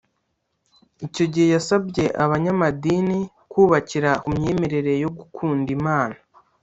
Icyo gihe yasabye abanyamadini kubakira ku myemerere yo gukunda Imana